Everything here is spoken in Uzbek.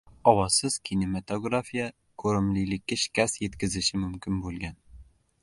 Ovozsiz kinematografiya ko‘rimlilikka shikast yetkazishi mumkin bo‘lgan